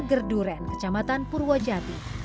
desa gerduren kecamatan purwodjati